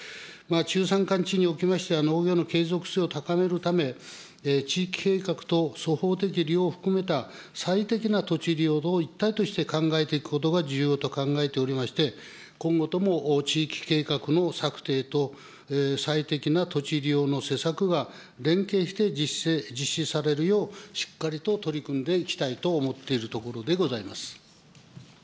中山間地におきましては、農業の継続性を高めるため、地域計画と粗放的利用を含めた最適な土地利用を一体として考えていくことが重要と考えておりまして、今後とも地域計画の策定と、最適な土地利用の施策が連携して実施されるよう、しっかりと取り組んでいきたいと思っているところでございます。